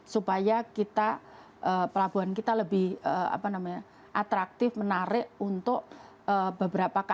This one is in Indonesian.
supaya kita pelabuhan kita lebih apa namanya atraktif menarik untuk beberapa kata